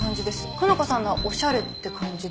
加奈子さんのはおしゃれって感じで。